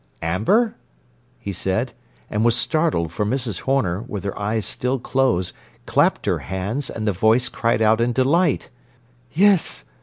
"Amber?" he said, and was startled, for Mrs. Horner, with her eyes still closed, clapped her hands, and the voice cried out in delight: "Yes!